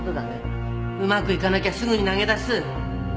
うまくいかなきゃすぐに投げ出す。